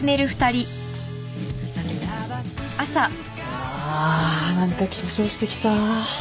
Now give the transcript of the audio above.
あ何か緊張してきた。